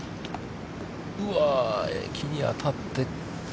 うわあ、木に当たって。